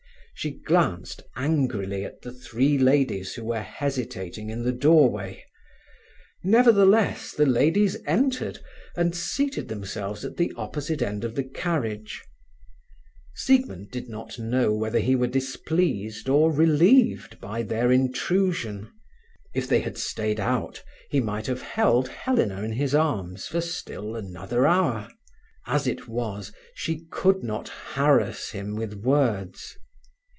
She glanced angrily at the three ladies who were hesitating in the doorway. Nevertheless, the ladies entered, and seated themselves at the opposite end of the carriage. Siegmund did not know whether he were displeased or relieved by their intrusion. If they had stayed out, he might have held Helena in his arms for still another hour. As it was, she could not harass him with words.